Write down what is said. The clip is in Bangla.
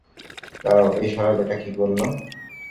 দাঁড়াও, এই শালার ব্যাটা কী বলল?